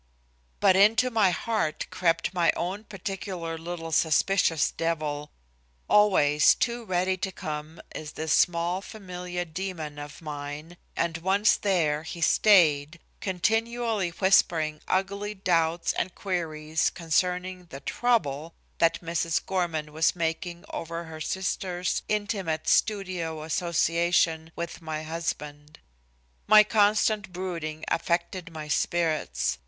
But into my heart crept my own particular little suspicious devil always too ready to come, is this small familiar demon of mine and once there he stayed, continually whispering ugly doubts and queries concerning the "trouble" that Mrs. Gorman was making over her sister's intimate studio association with my husband. My constant brooding affected my spirits.